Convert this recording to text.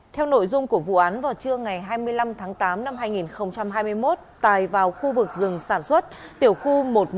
theo nội dung của vụ án vào trưa ngày hai mươi năm tháng tám năm hai nghìn hai mươi một tài vào khu vực rừng sản xuất tiểu khu một nghìn một trăm bảy mươi bốn